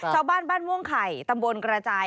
ชาวบ้านบ้านม่วงไข่ตำบลกระจาย